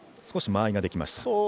少し間合いができました。